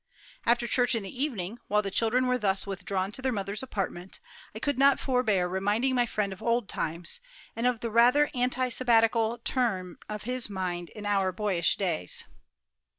After church in the evening, while the children were thus withdrawn to their mother's apartment, I could not forbear reminding my friend of old times, and of the rather anti sabbatical turn of his mind in our boyish days.